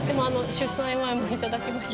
出産祝も頂きまして。